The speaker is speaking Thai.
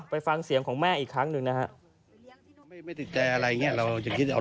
ไปฟังเสียงของแม่อีกครั้งหนึ่งนะฮะ